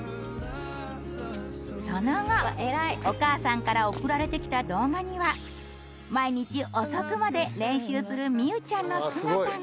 その後お母さんから送られてきた動画には毎日遅くまで練習するみうちゃんの姿が。